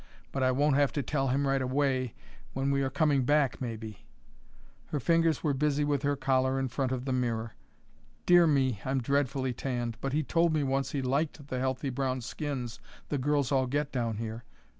But I won't have to tell him right away when we are coming back, maybe." Her fingers were busy with her collar in front of the mirror. "Dear me, I'm dreadfully tanned! But he told me once he liked the healthy brown skins the girls all get down here.